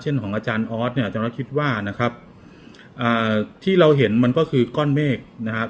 ของอาจารย์ออสเนี่ยอาจารย์ออสคิดว่านะครับที่เราเห็นมันก็คือก้อนเมฆนะครับ